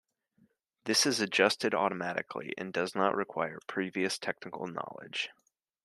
This is adjusted automatically and does not require previous technical knowledge.